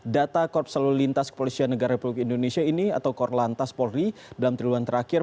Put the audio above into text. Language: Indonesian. data korps selalu lintas kepolisian negara republik indonesia ini atau korps lantas polri dalam triwulan terakhir